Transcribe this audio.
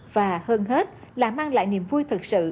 và hơn hết là mang lại niềm vui thật sự